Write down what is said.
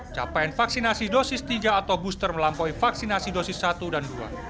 capaian vaksinasi dosis tiga atau booster melampaui vaksinasi dosis satu dan dua